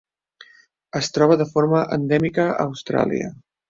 Es troba de forma endèmica a Austràlia.